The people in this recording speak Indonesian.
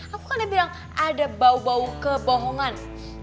aku kan yang bilang ada bau bau kebohongan